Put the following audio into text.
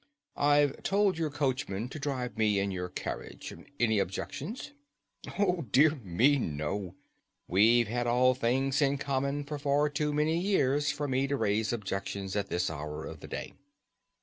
"I've told your coachman to drive me in your carriage. Any objection?" "Oh, dear me, no! We've had all things in common for far too many years for me to raise objections at this hour of the day."